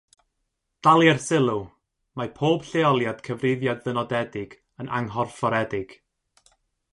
Dalier Sylw: Mae pob lleoliad cyfrifiad-ddynodedig yn anghorfforedig.